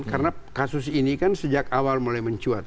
karena kasus ini kan sejak awal mulai mencuat